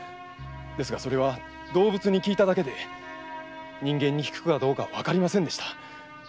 ですが動物に効いただけで人間に効くかどうかわかりませんでした。